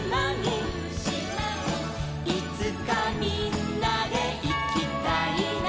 「いつかみんなでいきたいな」